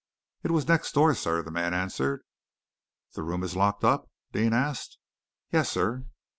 "It was next door, sir," the man answered. "The room is locked up?" Deane asked. "Yes, sir!"